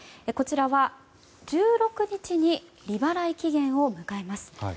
こちらは、１６日に利払い期限を迎えます。